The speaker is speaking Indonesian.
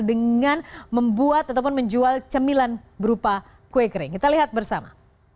dengan membuat ataupun menjual cemilan berupa kue kering kita lihat bersama